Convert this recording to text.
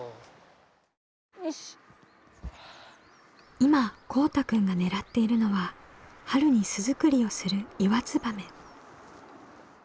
今こうたくんが狙っているのは春に巣作りをするイワツバメ。